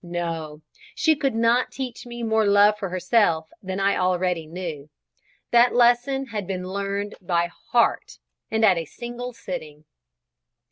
No; she could not teach me more love for herself than I already knew. That lesson had been learnt by heart, and at a single sitting.